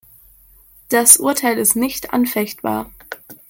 Das Urteil ist nicht anfechtbar.